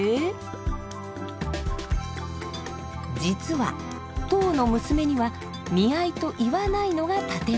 実は当の娘には見合いと言わないのが建て前。